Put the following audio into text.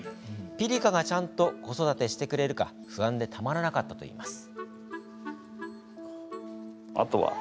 ピリカがちゃんと子育てしてくれるか不安でたまらなかったといいます。